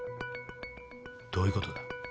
どういうことだ？